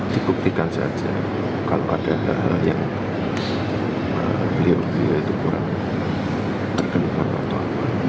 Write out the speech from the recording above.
dibuktikan saja kalau ada hal hal yang beliau beliau itu kurang terkena atau apa